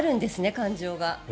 感情が。